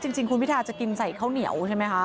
จริงคุณพิทาจะกินใส่ข้าวเหนียวใช่ไหมคะ